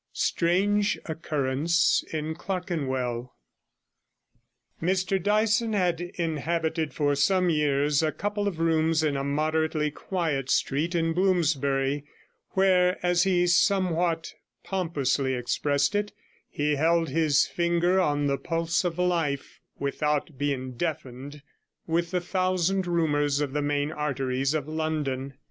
STRANGE OCCURRENCE IN CLERKENWELL Mr Dyson had inhabited for some years a couple of rooms in a moderately quiet street in Bloomsbury, where, as he somewhat pompously expressed it, he held his finger on the pulse of life without being deafened with the thousand rumours of the main arteries of London.